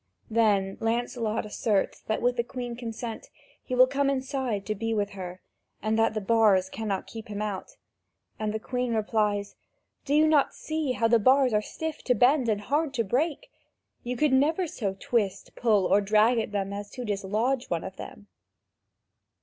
Then Lancelot asserts that, with the Queen's consent, he will come inside to be with her, and that the bars cannot keep him out. And the Queen replies: "Do you not see how the bars are stiff to bend and hard to break? You could never so twist, pull or drag at them as to dislodge one of them."